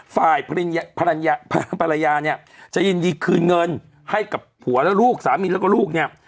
ฝ่ายภรรยาเนี่ยจะยินดีคืนเงินให้กับผัวและลูกสามีแล้วก็ลูกเนี่ย